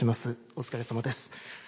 お疲れさまです。